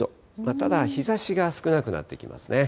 ただ、日ざしが少なくなってきますね。